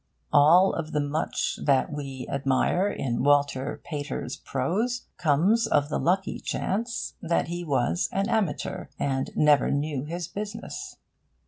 All of the much that we admire in Walter Pater's prose comes of the lucky chance that he was an amateur, and never knew his business.